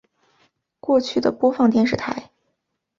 过去的播放电视台